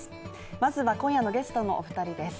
まずは今夜のゲストの２人です。